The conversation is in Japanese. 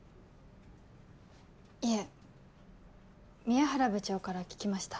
いえ宮原部長から聞きました。